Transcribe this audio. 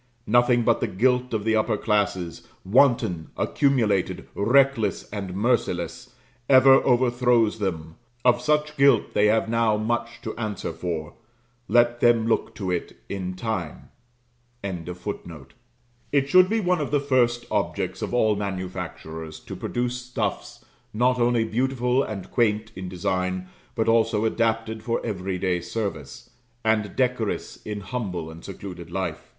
Nothing but the guilt of the upper classes, wanton, accumulated, reckless, and merciless, ever overthrows them Of such guilt they have now much to answer for let them look to it in time.] It should be one of the first objects of all manufacturers to produce stuffs not only beautiful and quaint in design, but also adapted for every day service, and decorous in humble and secluded life.